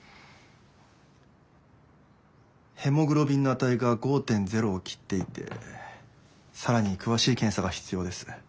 ヘモグロビンの値が５．０を切っていてさらに詳しい検査が必要です。